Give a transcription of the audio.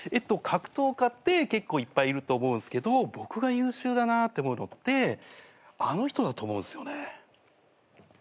格闘家って結構いっぱいいると思うんすけど僕が優秀だなって思うのってあの人だと思うんすよね。